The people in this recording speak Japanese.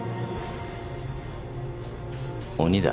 鬼だ。